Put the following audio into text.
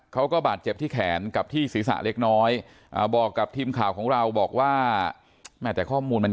เขาก็บาดเจ็บที่แขนกับที่ศีรษะเล็กน้อยบอกกับทีมข่าวของเราบอกว่าแม่แต่ข้อมูลมัน